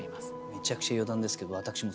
めちゃくちゃ余談ですけどえっ！？